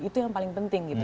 itu yang paling penting gitu